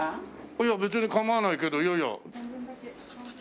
いや別に構わないけどいやいや。